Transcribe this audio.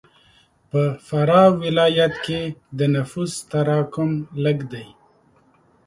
په فراه ولایت کښې د نفوس تراکم لږ دی.